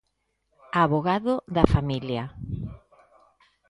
Avogado da familia.